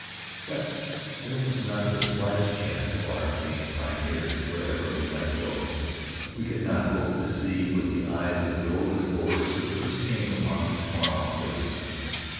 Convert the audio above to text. But there was not the slightest chance of our being pioneers wherever we might go. We could not hope to see with the eyes of the old explorers who first came upon those far off places.